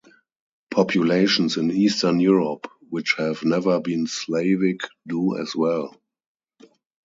Populations in Eastern Europe which have never been Slavic do as well.